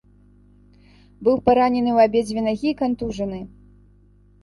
Быў паранены ў абедзве нагі і кантужаны.